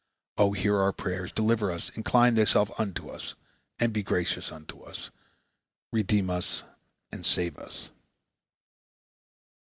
O hear our prayer, deliver us, incline Thyself unto us, and be gracious unto us! Redeem us and save us!"